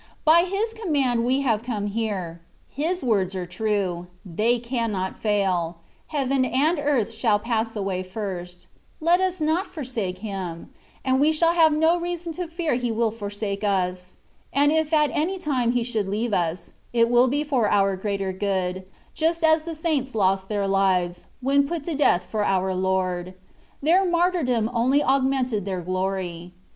By His command we have come here : His words are true ; they cannot fail ; heaven and earth shall pass away first ; let us not forsake Him, and we shall have no reason to fear He will for sake us ; and if at any time He should leave us, it will be for our greater good ; just as the saints lost their lives, when put to death for our Lord ; their martyrdom only augmented their glory.